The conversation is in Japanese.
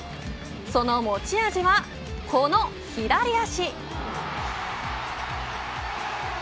その持ち味はこの左足。